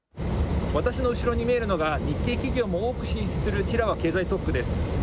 私の後ろに見えるのが、日系企業も多く進出するティラワ経済特区です。